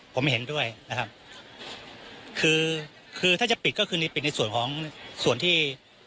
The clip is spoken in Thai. ผมเห็นด้วยนะครับคือคือถ้าจะปิดก็คือนี่ปิดในส่วนของส่วนที่